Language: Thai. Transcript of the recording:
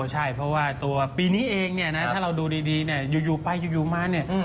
ใช่เพราะว่าตัวปีนี้เองถ้าเราดูดียูยูไปยูยูมา